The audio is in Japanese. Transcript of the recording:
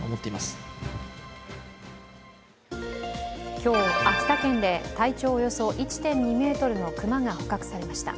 今日秋田県で体長およそ１．２ｍの熊が捕獲されました。